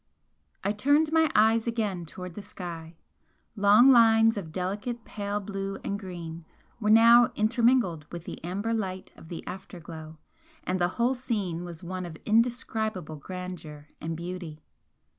I turned my eyes again towards the sky. Long lines of delicate pale blue and green were now intermingled with the amber light of the after glow, and the whole scene was one of indescribable grandeur and beauty.